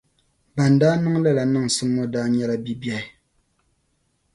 Ban daa niŋ lala niŋsim ŋɔ daa nɛyla bibiɛhi.